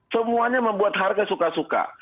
semuanya membuat harga suka suka